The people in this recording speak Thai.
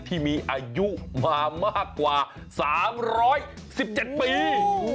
ที่มีอายุมามากกว่า๓๑๗ปี